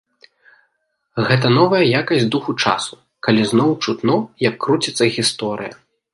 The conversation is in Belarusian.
Гэта новая якасць духу часу, калі зноў чутно, як круціцца гісторыя.